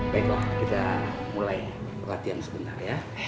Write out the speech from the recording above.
baiklah kita mulai perhatian sebenarnya ya